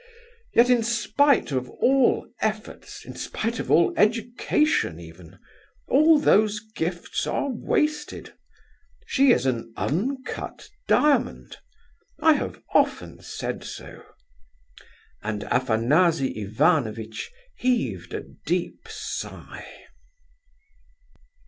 Yet in spite of all efforts—in spite of all education, even—all those gifts are wasted! She is an uncut diamond.... I have often said so." And Afanasy Ivanovitch heaved a deep sigh.